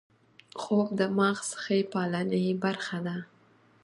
خوب د مغز ښې پالنې برخه ده